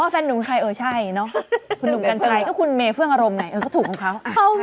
อ๋อแฟนนุ่มคือใครเออใช่เนาะคุณเมเฟื้องอารมณ์ไง